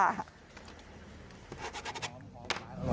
อร่อยครับ